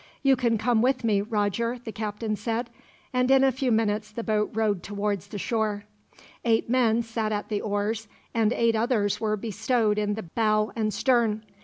"You can come with me, Roger," the captain said; and in a few minutes the boat rowed towards the shore. Eight men sat at the oars, and eight others were bestowed in the bow and stern.